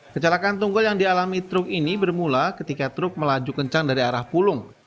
kecelakaan tunggal yang dialami truk ini bermula ketika truk melaju kencang dari arah pulung